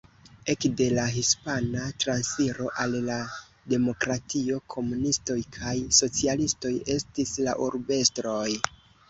Ekde la Hispana Transiro al la Demokratio komunistoj kaj socialistoj estis la urbestroj.